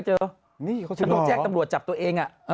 แต่ถ้าโมนต้องไปแจ้งตำรวจจับตัวเอง